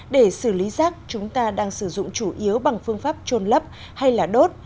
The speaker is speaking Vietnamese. để xử lý rác chúng ta đang sử dụng chủ yếu bằng phương pháp trôn lấp hay là đốt